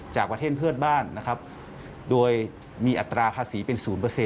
จากประเทศเพื่อนบ้านนะครับโดยมีอัตราภาษีเป็น๐